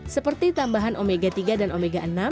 seperti tambahan omega tiga dan omega enam